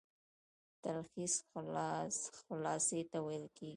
تلخیص خلاصې ته ويل کیږي.